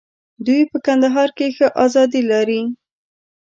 دوی په کندهار کې ښه آزادي لري.